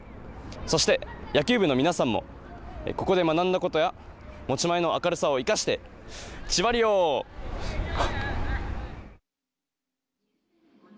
そして、野球部の皆さんもここで学んだことや持ち前の明るさを生かしてチバリヨハッ！